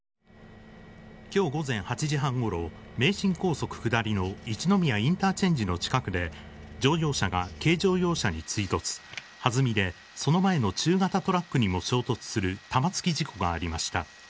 きょう午前８時半ごろ、名神高速下りの一宮インターチェンジの近くで、乗用車が軽乗用車に追突、はずみでその前の中型トラックにも衝突する玉突き事故がありました。